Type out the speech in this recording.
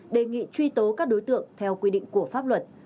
đề nghị truy tố các đối tượng theo quy định của pháp luật